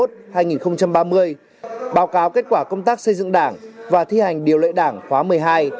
báo cáo kết quả công tác xây dựng đảng và thi hành điều lệ đảng khóa một mươi hai